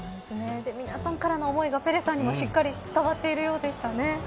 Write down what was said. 皆さんからの思いがペレさんにも、しっかり伝わっているようでした。